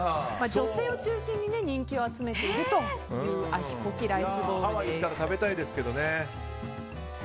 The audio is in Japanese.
女性を中心に人気を集めているというハワイ行ったら食べたいですけどね。